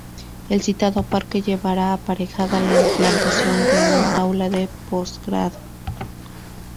El citado parque llevará aparejada la implantación de un aula de postgrado.